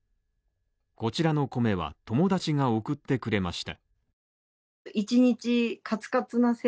こちらの米は友達が送ってくれました。